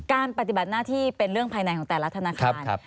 ปฏิบัติหน้าที่เป็นเรื่องภายในของแต่ละธนาคาร